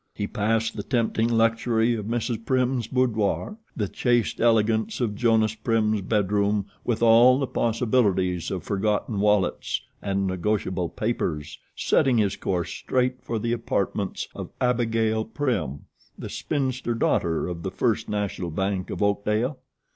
He passed the tempting luxury of Mrs. Prim's boudoir, the chaste elegance of Jonas Prim's bed room with all the possibilities of forgotten wallets and negotiable papers, setting his course straight for the apartments of Abigail Prim, the spinster daughter of the First National Bank of Oakdale.